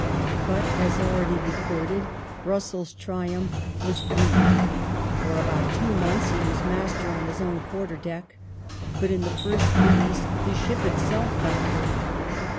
^ But, as already recorded, Russell's triumph was brief For about two months he was master on his own quarter deck, but in the first breeze the ship itself foundered.